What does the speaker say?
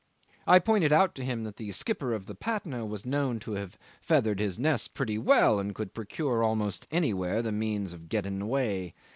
I pointed out to him that the skipper of the Patna was known to have feathered his nest pretty well, and could procure almost anywhere the means of getting away.